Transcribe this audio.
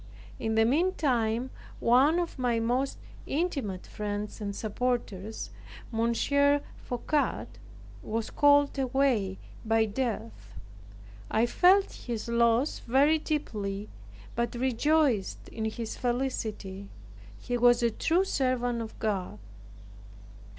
In the meantime, one of my most intimate friends and supporters, Mons. Fouquet, was called away by death. I felt his loss very deeply, but rejoiced in his felicity. He was a true servant of God.